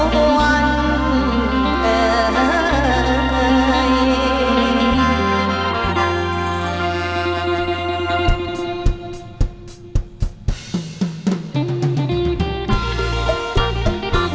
จ้าตอนย้อนจ้าตอนย้อนจ้าตอนย้อนตอนย้อนตอนย้อน